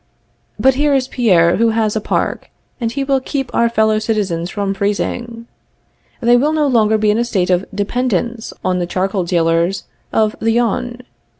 ] But here is Pierre, who has a park, and he will keep our fellow citizens from freezing. They will no longer be in a state of dependence on the charcoal dealers of the Yonne.